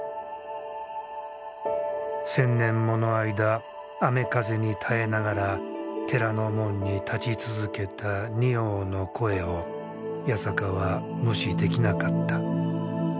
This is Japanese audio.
千年もの間雨風に耐えながら寺の門に立ち続けた仁王の声を八坂は無視できなかった。